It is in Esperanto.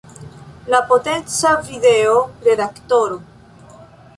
La potenca video redaktoro.